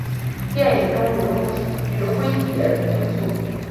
电影中融入喜剧诙谐因素。